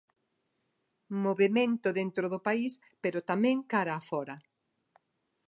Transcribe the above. Movemento dentro do país pero tamén cara a fóra.